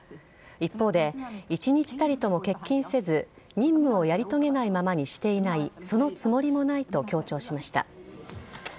一方で、一日たりとも欠勤せず任務をやり遂げないままにしていないそのつもりもないと強調しました。